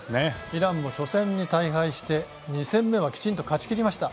イランも初戦に大敗して２戦目はきちんと勝ちきりました。